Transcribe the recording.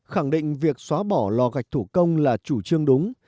khẳng định việc xóa bỏ lò gạch thủ công là chủ trương đúng